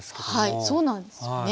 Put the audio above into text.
はいそうなんですよね。